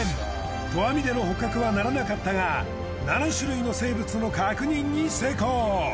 投網での捕獲はならなかったが７種類の生物の確認に成功。